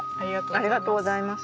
ありがとうございます。